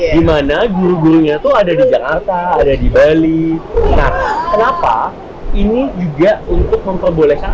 dimana guru gurunya tuh ada di jakarta ada di bali nah kenapa ini juga untuk memperbolehkan